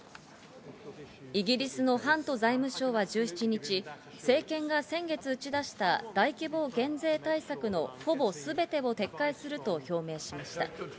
イギリスのハント財務相は１７日、政権が先月打ち出した大規模減税対策のほぼすべてを撤回すると表明しました。